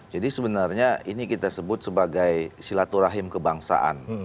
jadi sebenarnya ini kita sebut sebagai silaturahim kebangsaan